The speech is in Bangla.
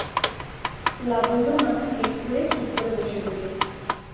লাবণ্য মাথা হেঁট করে চুপ করে বসে রইল।